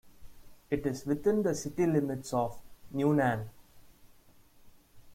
It is within the city limits of Newnan.